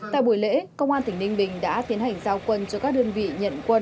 tại buổi lễ công an tỉnh ninh bình đã tiến hành giao quân cho các đơn vị nhận quân